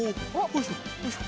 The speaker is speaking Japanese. よいしょ。